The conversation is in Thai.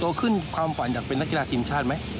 โตขึ้นความฝันอยากเป็นนักกีฬาทีมชาติไหม